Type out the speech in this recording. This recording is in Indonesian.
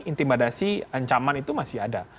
intimidasi ancaman itu masih ada